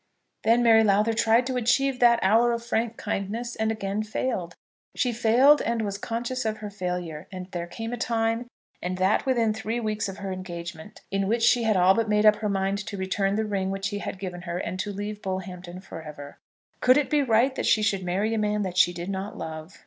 Then Mary Lowther tried to achieve that hour of frank kindness and again failed. She failed and was conscious of her failure, and there came a time, and that within three weeks of her engagement, in which she had all but made up her mind to return the ring which he had given her, and to leave Bullhampton for ever. Could it be right that she should marry a man that she did not love?